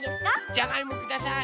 じゃがいもください。